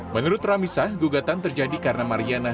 menurut ramisah gugatan terjadi karena mariana